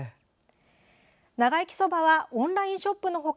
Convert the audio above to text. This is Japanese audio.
ながいきそばはオンラインショップの他